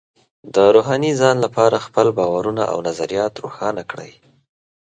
د روحاني ځان لپاره خپل باورونه او نظریات روښانه کړئ.